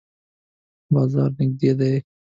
بازار نږدې دی؟